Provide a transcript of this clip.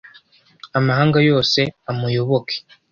amahanga yose amuyoboke